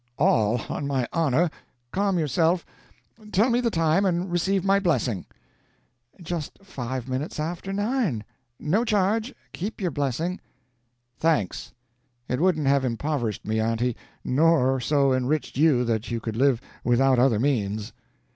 "All on my honor. Calm yourself. Tell me the time, and receive my blessing." "Just five minutes after nine. No charge keep your blessing." "Thanks. It wouldn't have impoverished me, aunty, nor so enriched you that you could live without other means."